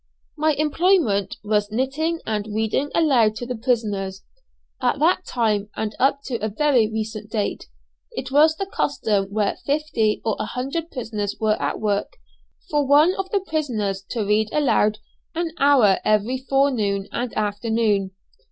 My employment was knitting and reading aloud to the prisoners. At that time, and up to a very recent date, it was the custom where fifty or a hundred prisoners were at work, for one of the prisoners to read aloud an hour every forenoon and afternoon.